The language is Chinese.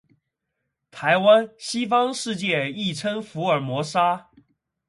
台湾，西方世界亦称福尔摩沙。